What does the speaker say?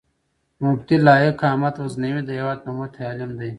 مفتي لائق احمد غزنوي د هېواد نوموتی عالم دی